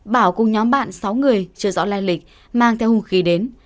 bảo cùng nhóm bạn sáu người chưa rõ lai lịch mang theo hung khí đến